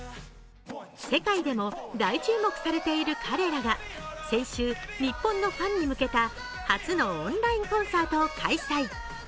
世界でも大注目されている彼らが先週、日本のファンに向けた、初のオンラインコンサートを開催。